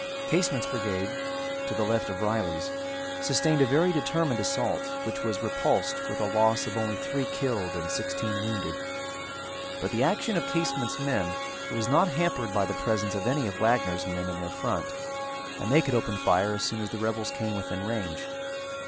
Casement's brigade, to the left of Reilly's, sustained a very determined assault which was repulsed with a loss of only three killed and sixteen wounded. But the action of Casement's men was not hampered by the presence of any of Wagner's men in their front and they could open fire as soon as the rebels came within range.